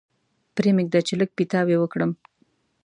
پرې مېږده چې لږ پیتاوی وکړم.